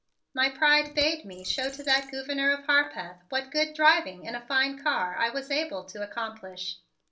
My pride bade me show to that Gouverneur of Harpeth what good driving in a fine car I was able to accomplish.